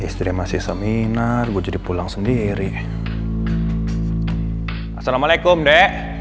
sampai jumpa di video selanjutnya